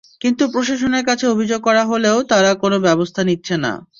কিন্তু প্রশাসনের কাছে অভিযোগ করা হলেও তারা কোনো ব্যবস্থা নিচ্ছে না।